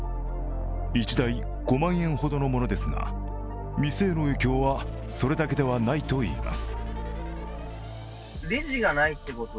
１台５万円ほどのものですが店への影響はそれだけではないといいます。